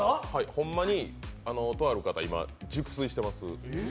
ほんまに、とある方、今、熟睡してます。